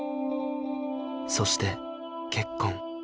そして結婚